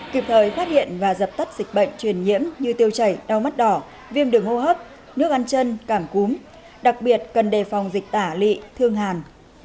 kịp thời phát hiện và dập tắt dịch bệnh truyền nhiễm như tiêu chảy đau mắt đỏ viêm đường hô hấp nước ăn chân cảm cúm đặc biệt cần đề phòng dịch tả lị thương hàn